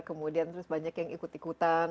kemudian terus banyak yang ikut ikutan